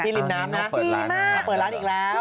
พี่ลิบน้ำนะเปิดร้านอีกแล้ว